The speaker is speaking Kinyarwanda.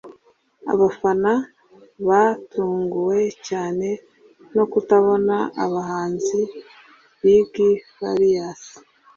abafana batunguwe cyane no kutabona abahanzi Big Farious